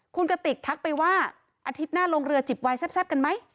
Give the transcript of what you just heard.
คุณกติกทักไปว่าอาทิตย์หน้าลงเรือจิบวายแซ่บกันไหม